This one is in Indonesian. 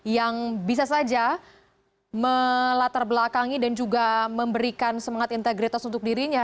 yang bisa saja melatar belakangi dan juga memberikan semangat integritas untuk dirinya